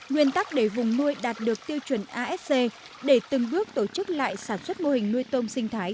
nguyên tắc để vùng nuôi đạt được tiêu chuẩn asc để từng bước tổ chức lại sản xuất mô hình nuôi tôm sinh thái